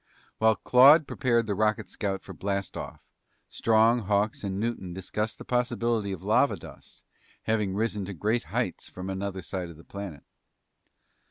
While Claude prepared the rocket scout for blast off, Strong, Hawks, and Newton discussed the possibility of lava dust having risen to great heights from another side of the planet.